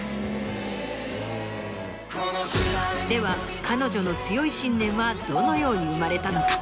では彼女の強い信念はどのように生まれたのか？